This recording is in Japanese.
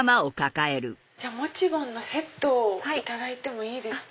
じゃあモチボンのセットをいただいてもいいですか？